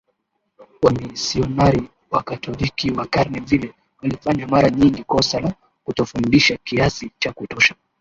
Wamisionari Wakatoliki wa karne zile walifanya mara nyingi kosa la kutofundisha kiasi cha kutosha